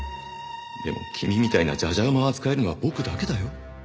でも君みたいなじゃじゃ馬を扱えるのは僕だけだよ。